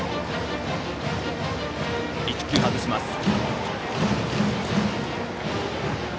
１球外しました。